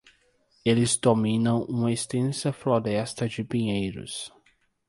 Eles dominam uma extensa floresta de pinheiros.